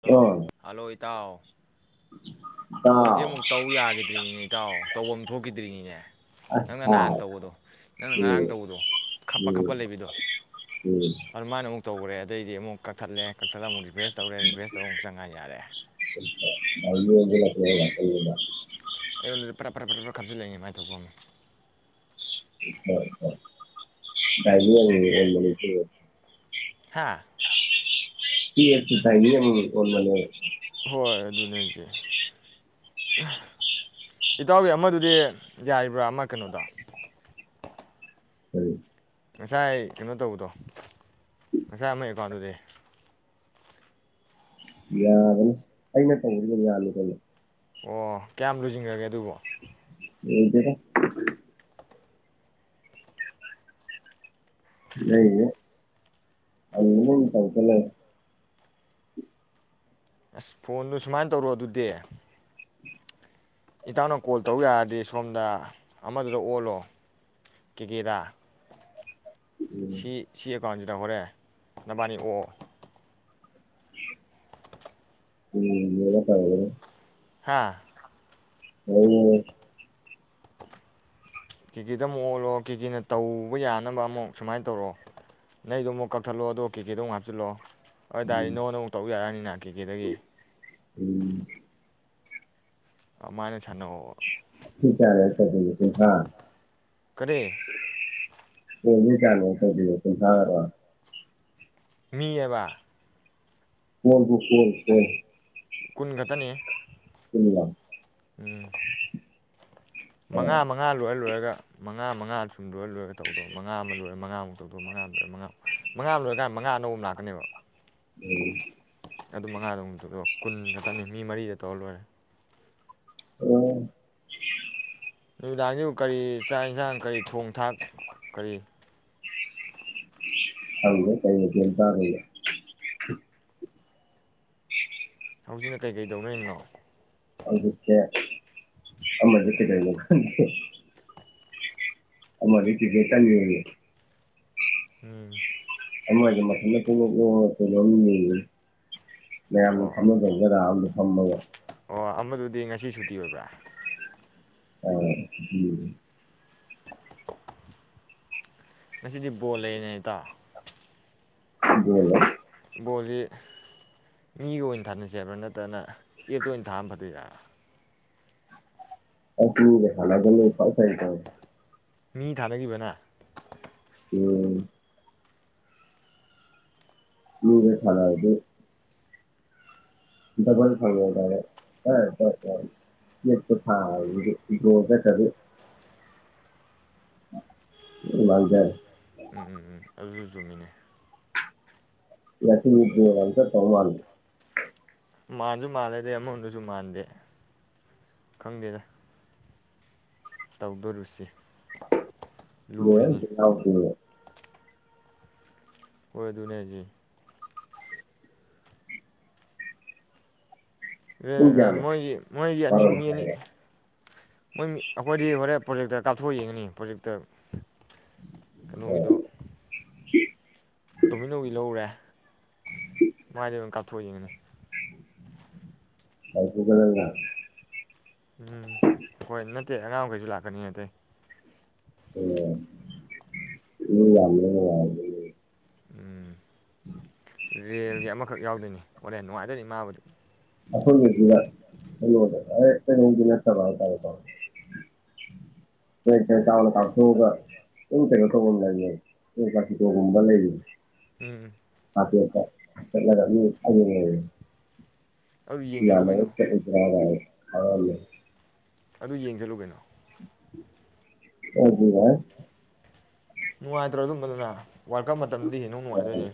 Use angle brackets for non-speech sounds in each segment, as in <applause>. Hello! Hello! ꯏꯇꯥꯎ꯫ ꯐꯣꯟꯁꯦ ꯑꯃꯨꯛ ꯇꯧ ꯌꯥꯈꯤꯗ꯭ꯔꯤꯅꯤꯅꯦ ꯏꯇꯥꯎ ꯇꯧꯕ ꯑꯃ ꯊꯣꯛꯈꯤꯗ꯭ꯔꯤꯅꯤꯅꯦ ꯅꯪꯅ ꯅꯍꯥꯟ ꯇꯧꯕꯗꯣ ꯅꯪꯅ ꯉꯔꯥꯡ ꯇꯧꯕꯗꯣ ꯈꯞꯄ- ꯈꯞꯄ ꯂꯩꯕꯗꯣ ꯑꯗꯨꯃꯥꯏꯅ ꯑꯃꯨꯛ ꯇꯧꯈ꯭ꯔꯦ ꯑꯗꯩꯗꯤ ꯑꯃꯨꯛ ꯀꯛꯊꯠꯂꯦ꯫ ꯀꯛꯊꯠꯂꯒ ꯑꯃꯨꯛ ꯔꯤꯐ꯭ꯔꯦꯁ ꯇꯧꯔꯦ ꯔꯤꯐ꯭ꯔꯦꯁ ꯇꯧꯔ ꯑꯃꯨꯛ ꯆꯪꯉ ꯌꯥꯔꯦ <unintelligible> ꯑꯩꯉꯣꯟꯗꯗꯤ ꯄꯔꯥ ꯐꯔꯥ ꯄꯔꯥ ꯄꯔꯥ ꯈꯥꯞꯆꯜꯂꯛꯏꯅꯦ ꯃꯥꯏ ꯊꯣꯛꯄꯝ <unintelligible> ꯍꯥꯥ <unintelligible> ꯍꯣꯏ ꯑꯗꯨꯅꯦ ꯍꯥꯏꯁꯦ ꯏꯇꯥꯎꯒꯤ ꯑꯃꯗꯨꯗꯤ ꯌꯥꯔꯤꯕ꯭ꯔꯥ ꯑꯃ ꯀꯩꯅꯣꯗ ꯀꯔꯤ ꯉꯁꯥꯏ ꯀꯩꯅꯣ ꯇꯧꯕꯗꯣ ꯉꯁꯥꯏ ꯑꯃ ꯑꯦꯀꯥꯎꯟꯗꯨꯗꯤ ꯌꯥꯒꯅꯤ ꯑꯩꯅ ꯇꯧꯕꯗꯤ ꯑꯗꯨꯝ ꯌꯥꯅꯤ ꯀꯩꯅꯣ ꯑꯣ ꯀꯌꯥꯝ ꯂꯨꯖꯤꯡꯒ꯭ꯔꯒꯦ ꯑꯗꯨꯕꯣ <unintelligible> ꯗꯦꯗ ꯂꯩ <unintelligible> ꯑꯁ ꯐꯣꯟꯗꯨ ꯁꯨꯃꯥꯏ ꯇꯧꯔꯣ ꯑꯗꯨꯗꯤ ꯏꯇꯥꯎꯅ ꯀꯣꯜ ꯇꯧ ꯌꯥꯔꯗꯤ ꯁꯣꯝꯗ ꯑꯃꯗꯨꯗ ꯑꯣꯜꯂꯣ ꯀꯦ ꯀꯦꯗ ꯁꯤ ꯁꯤ <unintelligible> ꯗꯨꯀꯥꯟꯁꯤꯗ ꯍꯣꯔꯦꯟ ꯅꯕꯥꯅꯤ ꯑꯣꯛ ꯑꯣ <unintelligible> ꯍꯥꯥ ꯑꯣ ꯀꯦꯀꯦꯗ ꯑꯃꯨꯛ ꯑꯣꯜꯂꯣ ꯀꯦꯀꯦꯅ ꯇꯧꯕ ꯌꯥꯅꯕ ꯑꯃꯨꯛ ꯁꯨꯃꯥꯏꯅ ꯇꯧꯔꯣ ꯅꯪꯒꯤꯗꯨ ꯑꯃꯨꯛ ꯀꯛꯊꯠꯂꯣ ꯑꯗꯣ ꯀꯦꯀꯦꯗꯣ ꯑꯃꯨꯛ ꯍꯥꯞꯆꯤꯜꯂꯣ ꯑꯗꯣꯏ ꯇꯥꯔꯗꯤ ꯅꯪꯉꯣꯟꯗ ꯑꯃꯨꯛ ꯇꯧ ꯌꯥꯔꯅꯤꯅ ꯀꯦꯀꯦꯗꯒꯤ ꯑꯃꯥꯏꯅ ꯁꯥꯅꯧꯕ <unintelligible> <unintelligible> ꯍꯥ <unintelligible> <unintelligible> ꯇꯧꯗꯣꯏꯁꯦ ꯀꯔꯤ ꯀꯨꯟꯊ꯭ꯔꯥꯔꯣ ꯃꯤꯑꯕ ꯀꯣꯜ ꯕꯨ ꯀꯣꯜ ꯀꯣꯜ ꯀꯨꯟ ꯈꯛꯇꯅꯦ ꯀꯨꯟꯂꯛ ꯎꯝ ꯃꯉꯥ ꯃꯉꯥ ꯂꯣꯏꯔ ꯂꯣꯏꯔꯒ ꯃꯉꯥ ꯃꯉꯥ ꯁꯨꯝ ꯂꯣꯏꯔ ꯂꯣꯏꯔꯒ ꯇꯧꯗꯣ ꯃꯉꯥ ꯑꯃ ꯂꯣꯏꯔ ꯃꯉꯥꯃꯨꯛ ꯇꯧꯗꯣ ꯃꯉꯥ ꯑꯃ ꯂꯣꯔ ꯃꯉꯥꯃꯨꯛ ꯃꯉꯥ ꯑꯃ ꯂꯣꯏꯔꯀꯥꯟꯗ ꯃꯉꯥ ꯑꯅꯧꯕ ꯑꯃ ꯂꯥꯛꯀꯅꯦꯕ ꯎꯝ ꯑꯗꯨ ꯃꯉꯥꯗ ꯑꯃꯨꯛ <unintelligible> ꯀꯨꯟ ꯈꯛꯇꯅꯤ ꯃꯤ ꯃꯔꯤꯗ ꯇꯧꯔ ꯂꯣꯏꯔꯦ ꯑꯣ ꯅꯨꯃꯤꯗꯥꯡꯁꯤꯕꯨ ꯀꯔꯤ ꯆꯥꯛ ꯌꯦꯟꯁꯥꯡ ꯀꯔꯤ ꯊꯣꯡ ꯊꯥꯛ ꯀꯔꯤ ꯈꯪꯗꯦ ꯀꯩ ꯃꯊꯦꯟ ꯆꯥꯗꯣꯏꯅꯣ ꯍꯧꯖꯤꯛꯅ ꯀꯩꯀꯩ ꯇꯧꯅꯔꯤꯕꯅꯣ ꯍꯧꯖꯤꯛꯁꯦ ꯑꯃꯗꯨ ꯀꯩꯗꯧꯔꯤꯅꯣ ꯈꯪꯗꯦ ꯑꯃꯗꯤ ꯀ꯭ꯔꯤꯀꯦꯠ ꯀꯟ ꯌꯦꯡꯉꯤ ꯎꯝ ꯑꯃꯁꯦ ꯃꯊꯟꯗ ꯄꯨꯡꯅꯣꯛ ꯅꯣꯛꯑꯒ ꯀꯩꯅꯣꯝ ꯌꯦꯡꯉꯤꯌꯦ ꯃꯌꯥꯝꯅ ꯑꯣ ꯑꯃꯊꯝꯃꯗ ꯔ ꯑꯃ ꯊꯝꯃꯒ ꯑꯣ ꯑꯃꯗꯨꯗꯤ ꯉꯁꯤ ꯁꯨꯇꯤ ꯑꯣꯏꯕ꯭ꯔ ꯑꯣ ꯎꯝ ꯉꯁꯤꯗꯤ ꯕꯣꯜ ꯂꯩꯌ‌ꯦꯅ‌ꯦ ꯏꯇꯥꯎ ꯕ‌ꯣꯜꯂ‌ꯣ ꯕꯣꯜꯁꯤ ꯃꯤꯒ ꯑꯣꯏꯅ ꯊꯥꯅꯁꯦ ꯍꯥꯏꯕ꯭ꯔ ꯅꯠꯇꯅ ꯑꯦꯞꯇ ꯑꯣꯏꯅ ꯊꯥꯕꯅ ꯐꯗ‌ꯣꯏꯔ ꯑꯣ ꯎꯝ ꯍꯜꯂꯛꯑꯒꯅ ꯏꯐ <inaudible> ꯃꯤ ꯊꯥꯅꯈꯤꯕꯅꯦ ꯎꯝ ꯃꯤꯒ ꯊꯥꯟꯅꯕꯗꯤ ꯗꯕꯜ ꯐꯪꯔꯦ ꯊꯦꯇꯥꯔꯗ ꯎꯝ ꯎꯝ ꯎꯝ <unintelligible> ꯑꯗꯨꯁꯨ ꯆꯨꯝꯃꯤꯅꯦ ꯂꯛꯁꯃꯤꯗꯦꯕꯇ <unintelligible> <inaudible> ꯃꯥꯟꯁꯨ ꯃꯥꯜꯂꯦꯗ ꯑꯃꯔ‌ꯣꯝꯗꯁꯨ ꯃꯥꯟꯗꯦ ꯈꯪꯗꯦꯗ ꯇꯧꯗꯨꯔꯤꯕꯁꯤ <unintelligible> ꯍ‌ꯣꯏ ꯑꯗꯨꯅ‌ꯦ ꯍꯥꯏꯁ‌ꯦ ꯄꯨꯡ ꯀꯌꯥꯅꯣ ꯃꯣꯏꯒꯤ ꯃꯣꯏꯒꯤ ꯑꯅꯤ ꯕꯥꯔꯣ ꯃꯤ ꯑꯅꯤ ꯃꯈꯥꯏꯔꯣ ꯃꯣꯏ ꯑꯩꯈꯣꯏꯗꯤ ꯍꯣꯔꯦꯟ ꯄ꯭ꯔꯣꯖꯦꯛꯇ ꯀꯥꯞꯊꯣꯛꯑ ꯌꯦꯡꯉꯅꯤ ꯄ꯭ꯔꯣꯖꯦꯛꯇ ꯑꯣ ꯀꯩꯅꯣꯒꯤꯗ‌ꯣ ꯇꯣꯃꯤꯅꯣꯒꯤ ꯂꯧꯔꯨꯔꯦ ꯃꯥꯏꯗꯩ ꯑꯣꯏꯅ ꯀꯥꯞꯊꯣꯛꯑ ꯌꯦꯡꯉꯅꯤ ꯁꯒ <unintelligible> ꯎꯝ ꯍꯣꯏ ꯅꯠꯇꯦ ꯑꯉꯥꯡ ꯃꯈꯩꯁꯨ ꯂꯥꯛꯀꯅꯤ ꯑꯇꯩ ꯎꯝ ꯃꯤ ꯌꯥꯝ ꯎꯝ ꯔꯦꯜꯒꯤ ꯑꯃꯈꯛ ꯌꯥꯎꯗꯣꯏꯅꯤ ꯍ‌ꯣꯔ‌ꯦꯟ ꯅꯨꯡꯉꯥꯏꯗꯨꯏꯅꯤ ꯃꯥꯕꯨꯗꯨ ꯑꯈ‌ꯣꯏꯕꯨꯗꯤ ꯀꯩꯅꯣꯗ ꯍꯦꯛ ꯀꯩꯅꯣꯝꯗꯤ ꯅꯠꯇꯕ ꯍꯥꯏꯇꯥꯔꯦꯀ‌ꯣ ꯇꯥꯎꯅ ꯀꯥꯞꯊꯣꯛꯑꯒ ꯑꯗꯨꯝ ꯀꯩꯅꯣ ꯇꯧꯕ ꯂꯩ ꯀꯥꯁꯤꯀꯣꯒꯨꯝꯕ ꯂꯩꯔꯤ ꯎꯝ ꯃꯥꯔꯀ‌ꯦꯠ ꯇ ꯆꯠꯂꯒ ꯑꯗꯨ ꯑꯗꯨ ꯌꯦꯡ ꯆꯠꯂꯨ ꯌꯥꯅ ꯀꯩꯅꯣ ꯆꯒ꯭ꯔꯕꯦ <unintelligible> <unintelligible> ꯑꯗꯨ ꯌꯦꯡꯁꯤꯜꯂꯨ ꯀꯩꯅꯣ <unintelligible> ꯌꯥꯏ ꯅꯨꯡꯉꯥꯏꯇ꯭ꯔ‌ꯣ ꯑꯗꯨꯝꯕꯗꯨꯅ ꯋꯥꯜ ꯃꯇꯝꯗꯤ ꯍꯌ‌ꯦꯡ ꯅꯃꯨꯛ ꯅꯨꯡꯉꯥꯏꯗꯣꯏꯅꯦ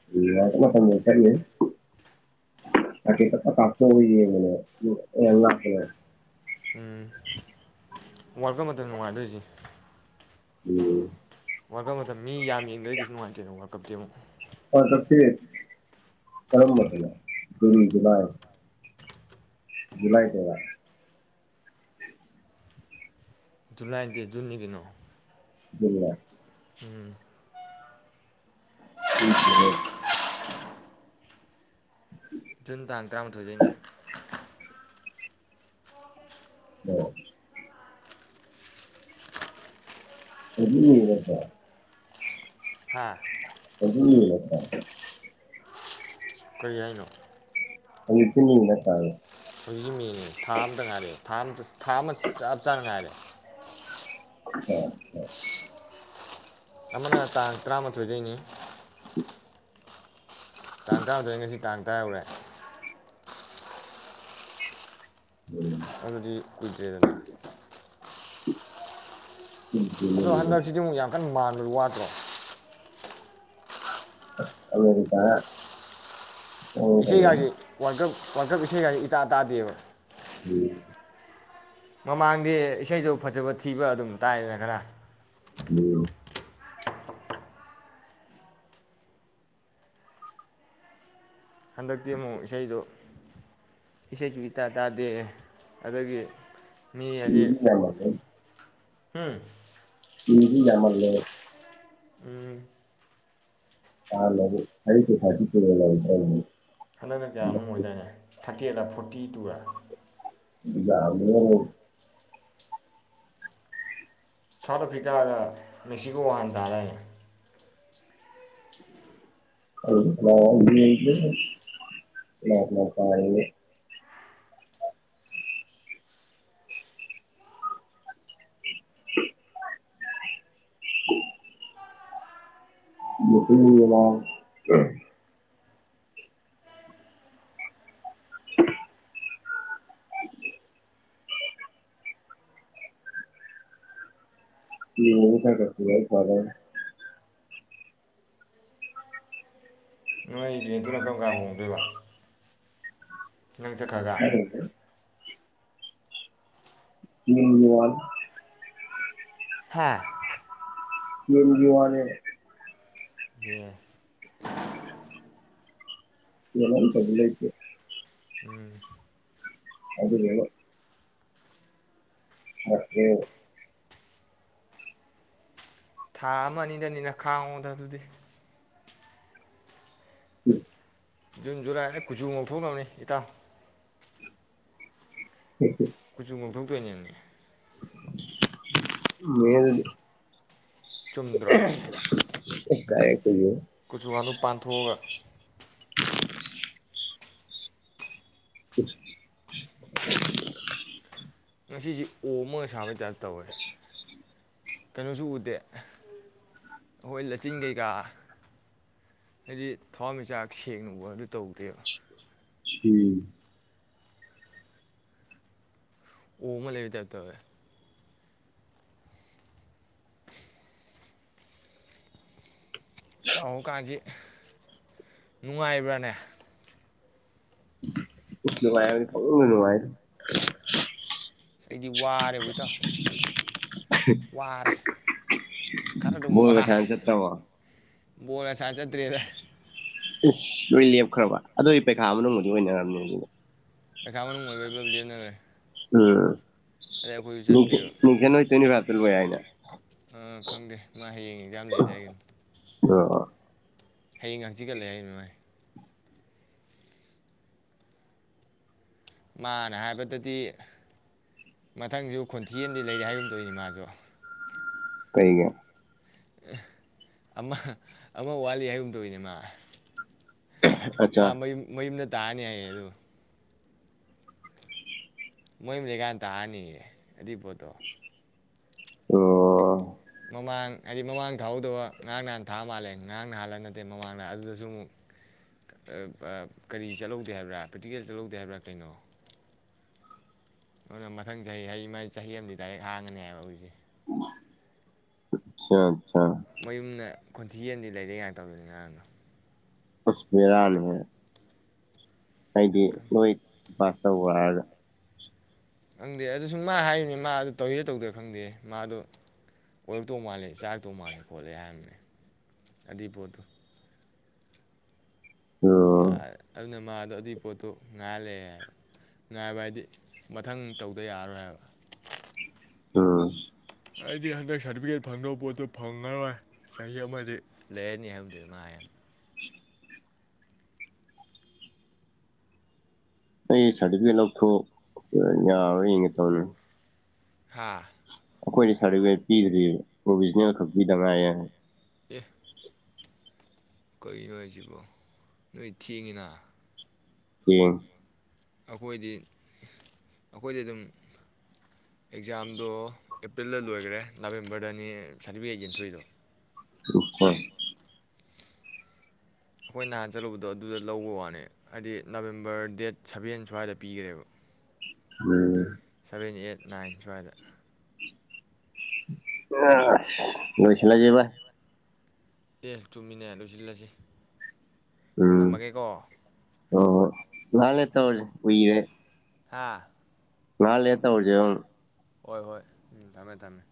<unintelligible> ꯌꯥꯝ ꯂꯥꯞꯄ‌ꯦ ꯎꯝ ꯋꯥꯜꯀꯞ ꯃꯇꯝꯗ ꯅꯨꯡꯉꯥꯏꯗꯣꯏꯁꯦ ꯎꯝ ꯋꯥꯔꯜꯗ - ꯀꯞ ꯃꯇꯝꯅꯦ ꯃꯤ ꯌꯥꯟ ꯌꯦꯡꯗ꯭ꯔ ꯀꯩꯁꯨ ꯅꯨꯡꯉꯥꯏꯇꯦꯕ <unintelligible> <unintelligible> ꯀꯔꯝꯕꯥꯅꯣ ꯖꯨꯟ ꯖꯨꯂꯥꯏ ꯖꯨꯂꯥꯏ ꯗꯩꯩꯔ ꯖꯨꯂꯥꯏꯗꯦ ꯖꯨꯟꯅꯤ ꯀꯩꯅꯣ <unintelligible> ꯎꯝ <unintelligible> ꯖꯨꯟ ꯇꯥꯡ ꯇꯔꯥꯃꯥꯊꯣꯏꯗꯩꯅꯦ ꯑꯣ <unintelligible> ꯍꯥꯥ <unintelligible> ꯀꯔꯤ ꯍꯥꯏꯅꯣ ꯑꯩ ꯆꯤꯅꯗ ꯇꯥꯡ ꯍꯧꯖꯤꯛ ꯃꯦꯅꯦ ꯊꯥ ꯑꯝꯇ ꯉꯥꯏꯔꯦ ꯊꯥ ꯑꯃ ꯊꯥ ꯑꯃ ꯆꯞ ꯆꯥꯅ ꯉꯥꯏꯔꯦ ꯑꯣ ꯑꯃꯅ ꯇꯥꯡ ꯇꯔꯥꯃꯥꯊꯣꯏꯗꯩꯅꯤ ꯇꯥꯡ ꯇꯔꯥꯍꯨꯗꯣꯏ ꯉꯁꯤ ꯇꯥꯡ ꯇꯔꯥ ꯌꯧꯔꯦ ꯎꯝ ꯑꯗꯨꯗꯤ ꯀꯨꯏꯗ꯭ꯔꯦꯗꯅ ꯎ ꯑꯗꯣ ꯍꯟꯗꯛꯁꯤꯗꯤ ꯑꯃꯨꯛ ꯌꯥꯝ ꯀꯟꯅ ꯃꯥꯟ - ꯋꯥꯗ꯭ꯔꯣ <unintelligible> ꯏꯁꯩ ꯒꯥꯁꯦ ꯋꯥꯔꯜꯗ ꯀꯞ ꯋꯥꯔꯜꯗ ꯀꯞ ꯏꯁꯩꯒꯁꯦ ꯏꯇꯥ ꯇꯥꯗꯦꯕ ꯎꯝ ꯃꯃꯥꯡꯗꯤ ꯏꯁꯩꯗꯣ ꯐꯖꯕ ꯊꯤꯕ ꯑꯗꯨꯝ ꯇꯥꯏꯗꯅ ꯈꯔ ꯎꯝ ꯍꯟꯗꯛꯇꯤ ꯑꯃꯨꯛ ꯏꯁꯩꯗꯨ ꯏꯁꯩꯁꯨ ꯏꯇꯥ ꯇꯥꯗꯦ ꯑꯗꯒꯤ ꯃꯤ ꯎꯝ <unintelligible> ꯍꯨꯝ ꯎꯝ ꯍꯨꯝ ꯌꯥꯝꯃꯜꯂꯦ ꯎꯝ <unintelligible> <inaudible> ꯍꯟꯗꯛꯅ ꯍꯟꯗꯛ ꯀꯌꯥꯅꯣꯝ ꯑꯣꯏꯗꯥꯏꯅꯦ ꯊꯥꯔꯇꯤ-ꯑꯩꯠ ꯂ ꯐꯣꯔꯇꯤ-ꯇꯨ ꯔ ꯏ ꯌꯥ <unintelligible> ꯁꯥꯎꯠ ꯑꯐ꯭ꯔꯤꯀꯥꯒ ꯃꯦꯛꯁꯤꯀꯣ ꯋꯥꯥꯟ ꯇꯥꯔꯦ <unintelligible> <inaudible> <inaudible> <unintelligible> <unintelligible> ꯑꯩ ꯔꯦꯗꯨꯅ ꯀꯔꯝ ꯀꯥꯟ ꯍꯣꯡꯗꯣꯏꯕꯥ ꯅꯪ ꯆꯠꯈ꯭ꯔꯒ ꯅꯠꯇ꯭ꯔꯗꯤ <unintelligible> ꯍꯥꯥ ꯌꯝ ꯋꯥꯔꯦ ꯌꯦ <inaudible> <unintelligible> ꯎꯝ ꯑꯗꯨ ꯂꯩꯔ <unintelligible> ꯊꯥ ꯑꯃ ꯑꯅꯤꯗꯅꯤꯅ ꯈꯥꯡꯉꯣꯗ ꯑꯗꯨꯗꯤ <inaudible> ꯖꯨꯟ ꯖꯨꯂꯥꯏ ꯍ ꯀꯨꯆꯨ ꯉꯧꯊꯣꯛꯅꯕꯅꯤ ꯏꯇꯥꯎ ꯀꯨꯆꯨꯉꯧꯊꯧ ꯇꫭꯏꯅꯦꯃꯦ <unintelligible> ꯆꯨꯝꯗ꯭ꯔꫭ <unintelligible> ꯀꯨꯆꯨ ꯉꯥꯅꯨ ꯄꯥꯟꯊꯣꯛꯑꯒ <inaudible> ꯉꯁꯤꯁꯤ ꯑꯣꯝꯃꯒ ꯁꯥꯕꯩ ꯇꯥꯏꯞ ꯇꯧꯋꯦ ꯀꯩꯅꯣꯁꯨ ꯎꯗꯦ ꯑꯩꯈꯣꯏ ꯂꯆꯤꯟ ꯀꯩꯀꯥ ꯍꯥꯏꯗꯤ ꯊꯋꯥꯟꯃꯤꯆꯥꯛ ꯁꯦꯡꯅ ꯎꯕ ꯍꯥꯏꯕꯗꯨ ꯇꯧꯗꯦꯕ ꯎꯝ ꯑꯣꯝꯃ ꯂꯩꯕꯩ ꯇꯥꯏꯞ ꯇꯧꯋꯦ ꯏꯇꯥꯎ ꯍꫭ ꯀꯥꯖꯤ ꯅꯨꯡꯉꯥꯏꯕ꯭ꯔꯥꯅꯦ ꯅꯨꯡꯉꯥꯏꯕ ꯄꯨꯡꯅꯨꯡ ꯅꯨꯡꯉꯥꯏꯗ ꯁ ꯑꯩꯗꯤ ꯋꯥꯔꯦꯕꫭ ꯏꯇꯥꯎ ꯋꯥꯔꯦ ꯃꫭꯏ ꯉꯁꯥꯏꯅ ꯆꯠꯈ꯭ꯔꯕꫭ <unintelligible> ꯆꯗ꯭ꯔꯦꯗ ꯏꯁ ꯂꯣꯏ ꯂꯦꯞꯈ꯭ꯔꯕ ꯑꯗꫭꯏ ꯄꯩꯈꯥ ꯃꯅꯨꯡꯕꯨꯗꯤ ꯑꯣꯏꯅꯔꯝꯅꯤ ꯑꯗꯨꯅ ꯄꯩꯈꯥ ꯃꯅꯨꯡ ꯑꯣꯏꯕꯩ ꯄꯨꯂꯞ ꯂꯦꯞꯅꯔꯦ <unintelligible> ꯅꯤꯡꯆꯠ ꯅꯤꯡꯆꯟꯍꫭꯏ ꯇꯣꯏꯅꯤ ꯚꯥ ꯗꯨꯝ ꯌꯥꯏ ꯍꯥꯏꯅꯦ ꯑꯥ ꯈꯪꯗꯦ ꯃꯥ ꯍꯌꯦꯡ ꯑꯦꯛꯖꯥꯝ ꯂꯩꯑꯗꯤ ꯍꯥꯏꯒꯤꯕꯅꯦ <unintelligible> ꯍꯌꯦꯡꯒ ꯍꯥꯡꯆꯤꯠꯒ ꯂꯩ ꯍꯥꯏꯒꯤꯕꯅꯦ ꯃꯥꯏ ꯃꯥꯅ ꯍꯥꯏꯕꯗꯗꯤ ꯃꯊꯪꯖꯨ ꯈꯣꯟꯊꯤ ꯑꯃꯗꯤ ꯂꯩꯔꯦ ꯍꯥꯏꯒꯨꯝꯗꯧꯏꯅꯦ ꯃꯥꯖꯨ ꯀꯩꯒꯤ ꯑꯃ ꯑꯃ ꯋꯥꯠꯂꯤ ꯍꯥꯏꯒꯨꯝ ꯇꯧꯅꯦ ꯃꯥ ꯃꯥ ꯑꯠꯆꯥ ꯃ ꯃꯌ ꯅ ꯇꯥꯅꯤ ꯍꯥꯏꯌꯦ ꯑꯗꯨ ꯃꯣꯏ ꯑꯃ ꯂꯩꯀꯥꯟ ꯇꯥꯔꯅꯤꯌꯦ ꯗꯤꯄꯣꯠꯇꯣ ꯑꯣ ꯃꯃꯥꯡ ꯍꯥꯏꯗꯤ ꯃꯃꯥꯡ ꯊꯥꯍꯧꯗꯧꯕ ꯉꯔꯥꯡ ꯅꯍꯥꯟ ꯊꯥꯑ ꯃꯥꯜꯂꯦ ꯉꯔꯥꯡ ꯅꯍꯥꯟꯂ ꯅꯠꯇꯦ ꯃꯃꯥꯡꯗꯍ ꯑꯗꯨꯗꯁꯨ ꯑꯃꯨꯛ ꯀꯔꯤ ꯆꯠꯍꯧꯗꯦ ꯍꯥꯏꯕ꯭ꯔꯥ ꯄ꯭ꯔꯦꯛꯇꯤꯀꯦꯜ ꯆꯠꯍꯧꯗꯦ ꯍꯥꯏꯕ꯭ꯔꯥ ꯀꯩꯅꯣ ꯑꯗꯨꯅ ꯃꯊꯪ ꯆꯍꯤ ꯍ ꯆꯍꯤ ꯑꯃꯗꯤ ꯗꯥꯏꯔꯦꯛ ꯍꯥꯡꯉꯅꯦ ꯍꯥꯏꯕ ꯍꯧꯖꯤꯁꯦ ꯑꯆꯥ ꯑꯆꯥ ꯃꯌꯨꯝꯗ ꯈꯣꯟꯊꯤꯟꯗꯤ ꯂꯩꯗꯦ ꯀꯥꯏꯅ ꯇꯧꯗꯗ ꯅꯍꯥꯟꯅꯣ ꯍꯁ ꯐꯤꯦꯔꯜꯃꯦ ꯍꯥꯏꯗꯤ ꯅꯣꯏ ꯄꯥꯁ ꯇꯧꯕ ꯍꯥꯏꯒ ꯈꯪꯗꯦ ꯑꯗꯨ ꯁꯨꯝ ꯃꯥ ꯍꯥꯏꯔꯤꯅꯦ ꯃꯥꯗ ꯇꯧꯔꯤꯔ ꯇꯧꯗ꯭ꯔꯥ ꯈꯪꯗꯦ ꯃꯥꯗꯣ ꯑꯣꯏꯔꯛꯇꯧ ꯃꯥꯜꯂꯦ ꯆꯥꯔꯛꯇꯧ ꯃꯥꯜꯂꯦ ꯈꯣꯠꯂꯦ ꯍꯥꯏꯔꯝꯅꯦ ꯑꯗꯨꯏ ꯄꯣꯠꯇꯨ ꯃꯥ ꯎꯝ ꯑꯗꯨꯅ ꯃꯥ ꯑꯗꯣ ꯑꯗꯨꯏ ꯄꯣꯠꯇꯣ ꯉꯥꯏꯜꯂꯦ ꯍꯥꯏꯕ ꯉꯥꯏꯕ ꯍꯥꯏꯗꯤ ꯃꯊꯪ ꯇꯧꯗ ꯌꯥꯔꯣꯏ ꯍꯥꯏꯕ ꯑꯥ ꯑꯩꯗꯤ ꯍꯗ ꯁꯔꯇꯤꯐꯤꯦꯠ ꯐꯪꯗꯕ ꯄꯣꯠꯇꯣ ꯐꯪꯉꯔꯣꯏ ꯆꯍꯤ ꯑꯃꯗꯤ ꯂꯩꯔꯅꯤ ꯍꯥꯏꯕꯗꯨꯃꯥ ꯍꯅ ꯑꯩ ꯁꯥꯔꯇꯤꯐꯤꯀꯦꯠ ꯂꯧꯊꯣꯛ ꯌꯥꯔ ꯌꯦꯡꯉꯦ ꯇꯅꯤ ꯍꯥꯥ ꯑꯩꯈꯣꯏꯅ ꯁꯥꯔꯇꯤꯐꯤꯀꯦꯠ ꯄꯤꯗ꯭ꯔꯤ ꯄ꯭ꯔꯣꯚꯖꯅꯦꯜ ꯈꯛ ꯄꯤꯗꯕ꯭ꯔꯥ ꯍꯥꯏ ꯑꯦ ꯀꯔꯤꯅꯣ ꯍꯥꯏꯁꯤꯕꯣ ꯅꯣꯏ ꯊꯦꯡꯉꯤꯅ ꯊꯃ ꯑꯩꯈꯣꯏꯗꯤ ꯑꯩꯈꯣꯏꯗꯤ ꯑꯗꯨꯝ ꯑꯦꯛꯖꯥꯝꯗꯣ ꯑꯦꯄ꯭ꯔꯤꯜꯗ ꯂꯣꯏꯈ꯭ꯔꯦ ꯅꯕꯦꯝꯕꯔꯗꯅꯤ ꯁꯥꯔꯇꯤꯐꯤꯀꯦꯠ ꯌꯦꯟꯊꯣꯏꯗꯣ ꯎ ꯍꯣꯏ ꯑꯩꯈꯣꯏ ꯅꯍꯥꯟ ꯆꯠꯂꯨꯕꯗꯣ ꯑꯗꯨꯗ ꯂꯧꯕ ꯋꯥꯅꯦ ꯍꯥꯏꯗꯤ ꯅꯕꯦꯝꯕꯔ ꯗꯦꯠ ꯁꯚꯦꯟ ꯁ꯭ꯋꯥꯏꯗ ꯄꯤꯈ꯭ꯔꯦꯕ ꯑ‌ꯣ ꯁꯚꯦꯟ ꯑꯦꯠ ꯅꯥꯏꯟ ꯁ꯭ꯋꯥꯏꯗ ꯑ ꯣꯏꯁꯤ ꯌꯕ ꯑꯦ ꯆꯨꯝꯃꯤꯟꯅ ꯂꯣꯏꯁꯤꯜꯂꯁꯤ ꯎꯝ ꯊꯝꯃꯒꯦꯀꯣ ꯂ ꯇꯧ ꯎꯏꯔꯦ ꯍꯥꯥ ꯉꯍꯥꯛ ꯂꯩꯔ꯭ ꯇꯧꯔꯥ ꯖꯤ ꯍꯣꯏ ꯍꯣꯏ ꯎꯝ ꯊꯝꯃꯦ ꯊꯝꯃꯦ